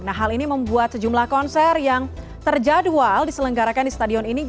nah hal ini membuat sejumlah konser yang terjadwal diselenggarakan di stadion ini